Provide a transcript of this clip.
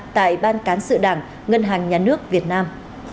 tại ban cán sự đảng ngân hàng nhà nước việt nam